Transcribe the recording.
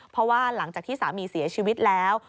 เพราะว่าหลังจากที่สามีเสียชีวิตแล้ว